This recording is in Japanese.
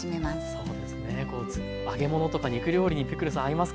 そうですねこう揚げ物とか肉料理にピクルス合いますからね。